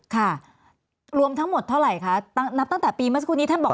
ค่ะรวมทั้งหมดเท่าไหร่คะนับตั้งแต่ปีเมื่อสักครู่นี้ท่านบอก